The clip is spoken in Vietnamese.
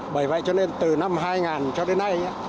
bởi vậy cho nên từ năm hai nghìn cho đến nay